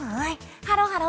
ハロハロ！